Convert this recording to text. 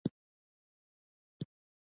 ماريا شېرګل ته د مننې وويل.